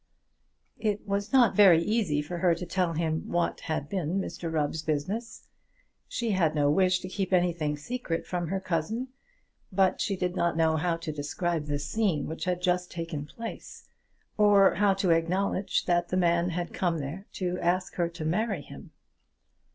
It was not very easy for her to tell him what had been Mr Rubb's business. She had no wish to keep anything secret from her cousin, but she did not know how to describe the scene which had just taken place, or how to acknowledge that the man had come there to ask her to marry him.